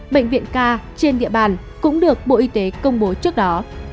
bệnh viện k trên địa bàn cũng được bộ y tế công bố trước đó